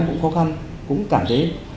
cũng khó khăn cũng cảm thấy